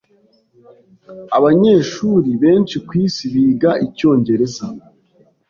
Abanyeshuri benshi kwisi biga icyongereza.